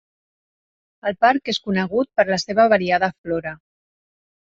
El parc és conegut per la seva variada flora.